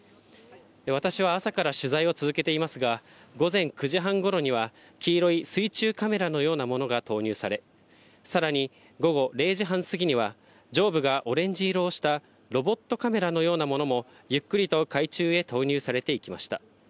私は朝から取材を続けていますが、午前９時半ごろには、黄色い水中カメラのようなものが投入され、さらに午後０時半過ぎには、上部がオレンジ色をした、ロボットカメラのようなものもゆっくりと海中へ投入されていきました。